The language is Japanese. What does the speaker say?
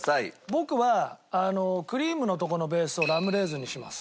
僕はクリームのとこのベースをラムレーズンにします。